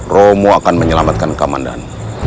romo akan menyelamatkan kak mandano